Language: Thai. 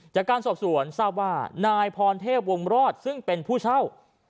จากการสอบสวนทราบว่านายพรเทพวงรอดซึ่งเป็นผู้เช่า